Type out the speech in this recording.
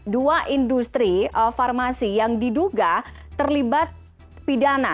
dua industri farmasi yang diduga terlibat pidana